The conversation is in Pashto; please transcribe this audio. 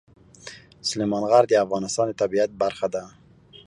سلیمان غر د افغانستان د طبیعت برخه ده.